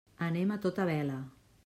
Anem a tota vela.